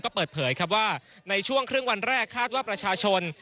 ก็เปิดเผยครับว่าในช่วงครึ่งวันแรกคาดว่าประชาชน